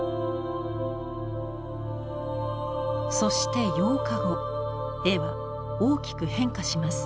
そして８日後絵は大きく変化します。